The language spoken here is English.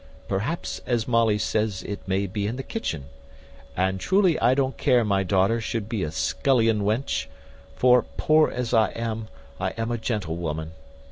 Perhaps, as Molly says, it may be in the kitchen; and truly I don't care my daughter should be a scullion wench; for, poor as I am, I am a gentlewoman.